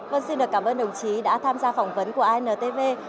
vâng xin được cảm ơn đồng chí đã tham gia phỏng vấn của intv